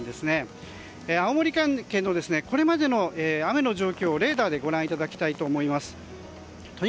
青森県のこれまでの雨の状況をレーダーでご覧いただきたいと思います。